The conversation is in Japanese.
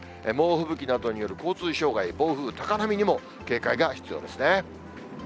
猛吹雪などによる交通障害、暴風、高波にも警戒が必要ですね。